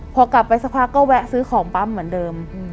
พอกลับไปสักพักก็แวะซื้อของปั๊มเหมือนเดิม